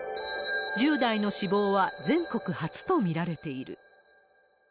１０代の死亡は全国初と見られている。